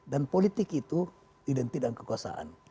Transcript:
dan politik itu identik dengan kekuasaan